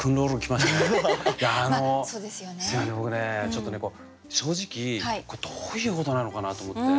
ちょっとね正直これどういうことなのかなと思って。